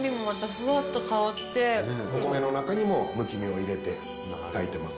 お米の中にもむき身を入れて炊いてます。